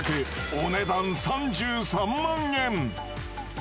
お値段３３万円！